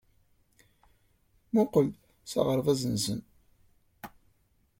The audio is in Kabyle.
Mmuqqel s aɣrab-nsen.